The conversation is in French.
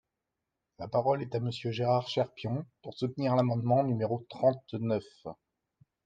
La parole est à Monsieur Gérard Cherpion, pour soutenir l’amendement numéro trente-neuf.